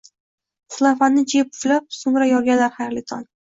Selofanni ichiga puflab, so'ngra yorganlar, xayrli tong!